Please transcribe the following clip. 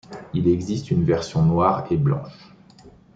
Il existe en version noire et blanche.